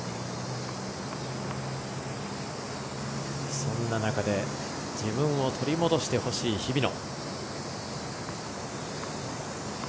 そんな中で自分を取り戻してほしい日比野。